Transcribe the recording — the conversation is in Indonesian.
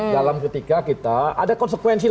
dalam ketika kita ada konsekuensi